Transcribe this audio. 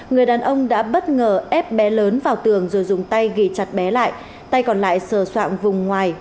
người đàn ông đã bất ngờ ép bé lớn vào tường rồi dùng tay ghi chặt bé lại tay còn lại sờ soạn vùng ngoài